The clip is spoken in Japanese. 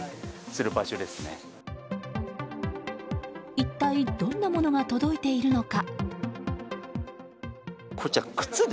一体どんなものが届いているのか。